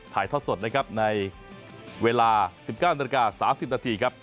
ถ่ายทอดสดนะครับในเวลา๑๙นาฬิกา๓๐นาทีครับ